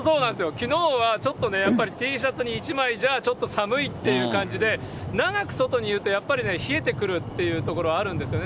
きのうはちょっとね、やっぱりＴシャツに１枚じゃちょっと寒いという感じで、長く外にいると、やっぱりね、冷えてくるっていうところあるんですよね。